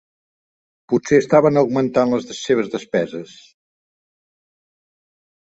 Potser estaven augmentant les seves despeses.